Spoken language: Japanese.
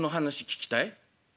「聞きたい」。